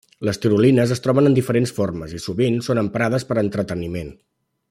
Les tirolines es troben en diferents formes i sovint són emprades per a entreteniment.